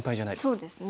そうですね。